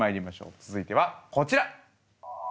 続いてはこちら。